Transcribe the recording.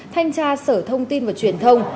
thanh tra sở thông tin và truyền thông